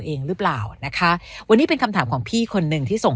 เองหรือเปล่านะคะวันนี้เป็นคำถามของพี่คนหนึ่งที่ส่ง